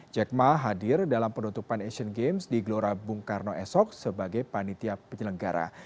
jack ma hadir dalam penutupan asian games di gelora bung karno esok sebagai panitia penyelenggara